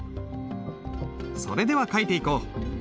それでは書いていこう。